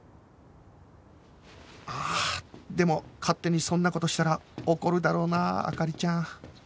ああでも勝手にそんな事したら怒るだろうな灯ちゃん